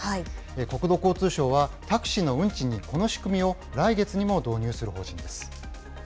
国土交通省はタクシーの運賃にこの仕組みを来月にも導入する方針です。